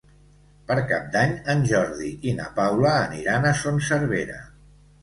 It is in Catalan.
Per Cap d'Any en Jordi i na Paula aniran a Son Servera.